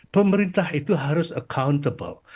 pemerintah itu harus accountable